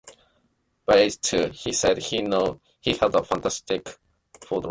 By age two, he said he knew he held a fascination for drums.